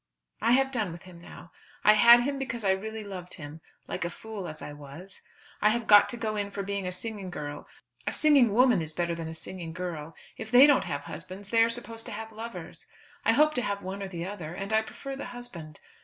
I have done with him now. I had him because I really loved him, like a fool as I was. I have got to go in for being a singing girl. A singing woman is better than a singing girl. If they don't have husbands, they are supposed to have lovers. I hope to have one or the other, and I prefer the husband.